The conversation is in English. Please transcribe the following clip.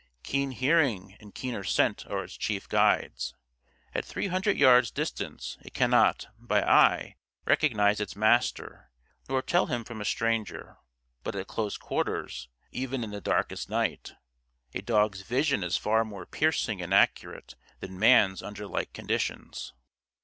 Keen hearing and keener scent are its chief guides. At three hundred yards' distance it cannot, by eye, recognize its master, nor tell him from a stranger. But at close quarters, even in the darkest night, a dog's vision is far more piercing and accurate than man's under like conditions.